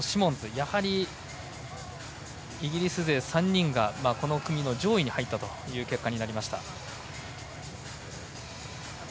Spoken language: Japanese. やはりイギリス勢３人がこの組の上位に入ったという結果になりました。